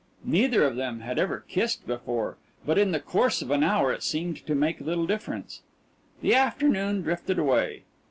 Neither of them had ever kissed before, but in the course of an hour it seemed to make little difference. The afternoon drifted away.